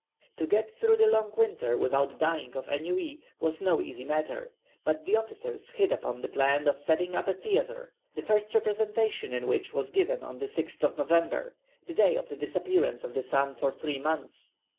To get through the long winter without dying of ennui was no easy matter, but the officers hit upon the plan of setting up a theatre, the first representation in which was given on the 6th November, the day of the disappearance of the sun for three months.